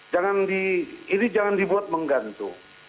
jangan di ini jangan dibuat menggantung